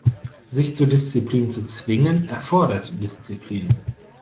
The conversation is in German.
Sich zur Disziplin zu zwingen, erfordert Disziplin.